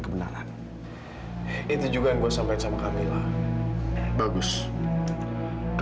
k qualquer ribu serangan saya tahu kamu artist